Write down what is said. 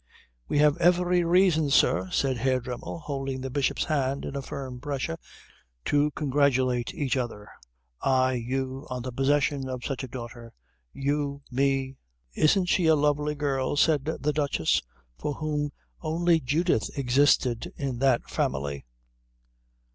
"We have every reason, sir," said Herr Dremmel, holding the Bishop's hand in a firm pressure, "to congratulate each other, I you, on the possession of such a daughter, you me " "Isn't she a lovely girl," said the Duchess, for whom only Judith existed in that family.